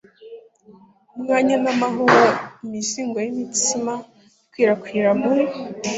Umwanya namahoro imizingo yimitsima ikwirakwira muri